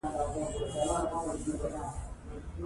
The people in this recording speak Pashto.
افغانستان په ننګرهار غني دی.